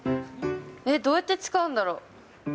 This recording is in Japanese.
えっ、どうやって使うんだろう。